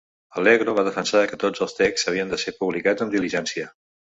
Allegro va defensar que tots els texts havien de ser publicats amb diligència.